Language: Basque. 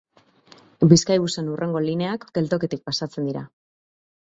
Bizkaibusen hurrengo lineak geltokitik pasatzen dira.